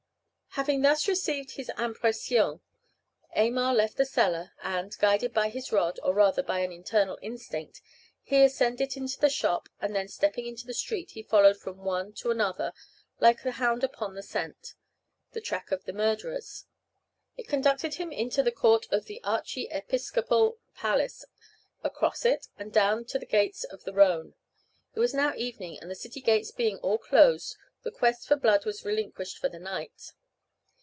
Having thus received his impression, Aymar left the cellar, and, guided by his rod, or rather by an internal instinct, he ascended into the shop, and then stepping into the street, he followed from one to another, like a hound upon the scent, the track of the murderers. It conducted him into the court of the archiepiscopal palace, across it, and down to the gate of the Rhone. It was now evening, and the city gates being all closed, the quest of blood was relinquished for the night.